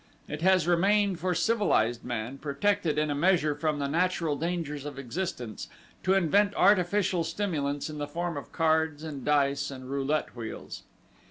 It has remained for civilized man, protected in a measure from the natural dangers of existence, to invent artificial stimulants in the form of cards and dice and roulette wheels.